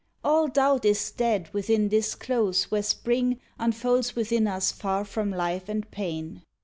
All doubt is dead within this close where spring Unfolds within us far from life and pain.